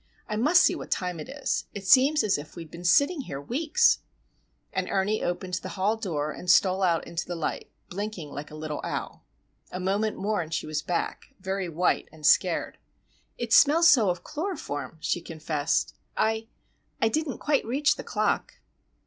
I must see what time it is. It seems as if we had been sitting here weeks!" And Ernie opened the hall door and stole out into the light, blinking like a little owl. A moment more and she was back,—very white and scared. "It smells so of chloroform," she confessed. "I,—I didn't quite reach the clock."